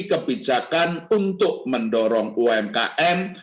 kebijakan untuk mendorong umkm